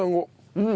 うん。